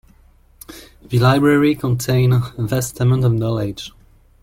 The library contains vast amounts of knowledge.